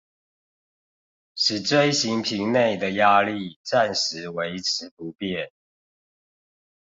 使錐形瓶內的壓力暫時維持不變